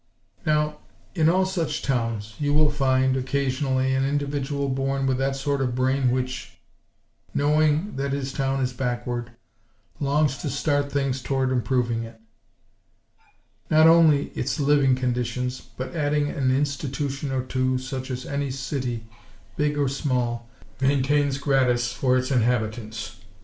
Now, in all such towns, you will find, occasionally, an individual born with that sort of brain which, knowing that his town is backward, longs to start things toward improving it; not only its living conditions, but adding an institution or two, such as any city, big or small, maintains, gratis, for its inhabitants.